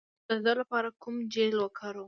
د سوځیدو لپاره کوم جیل وکاروم؟